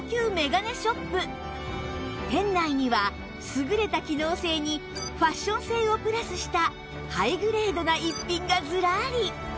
店内には優れた機能性にファッション性をプラスしたハイグレードな一品がずらり